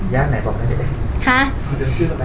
ย่านไหนบอกได้เลย